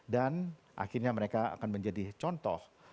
dan akhirnya mereka akan menjadi contoh